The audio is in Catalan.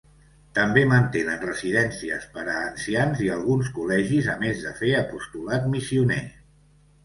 També mantenen residències per a ancians i alguns col·legis, a més de fer apostolat missioner.